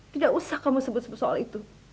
tidak usah kamu sebut soal itu